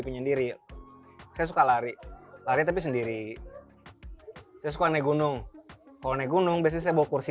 penyendiri saya suka lari lari tapi sendiri saya suka naik gunung kalau naik gunung biasanya saya bawa kursi